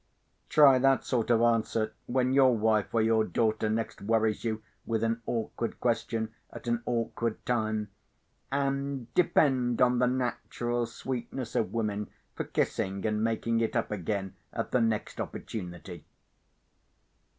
Try that sort of answer when your wife or your daughter next worries you with an awkward question at an awkward time, and depend on the natural sweetness of women for kissing and making it up again at the next opportunity.